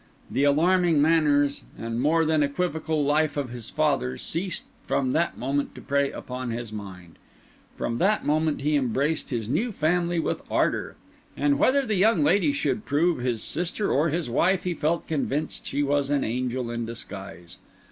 The alarming manners and more than equivocal life of his father ceased from that moment to prey upon his mind; from that moment he embraced his new family with ardour; and whether the young lady should prove his sister or his wife, he felt convinced she was an angel in disguise.